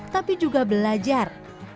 tapi juga belajar